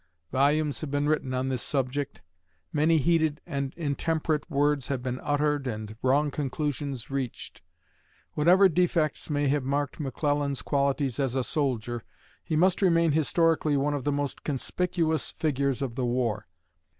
Volumes have been written on this subject; many heated and intemperate words have been uttered and wrong conclusions reached. Whatever defects may have marked McClellan's qualities as a soldier, he must remain historically one of the most conspicuous figures of the war.